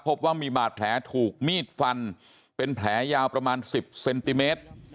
พบว่ามีบาดแผลถูกมีดฟันเป็นแผลยาวประมาณ๑๐เซนติเมตร